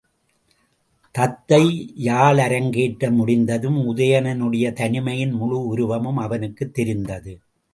தத்தை யாழரங்கேற்றம் முடிந்ததும் உதயணனுடைய தனிமையின் முழு உருவமும் அவனுக்குத் தெரிந்தது.